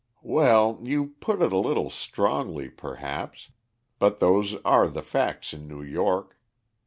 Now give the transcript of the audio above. "Well, you put it a little strongly, perhaps, but those are the facts in New York.